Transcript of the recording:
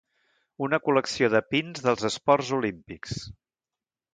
Una col·lecció de pins dels esports olímpics.